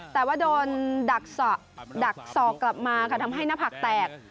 แต่ว่าโดนดักศอกกลับมาค่ะทำให้หน้าผักแตก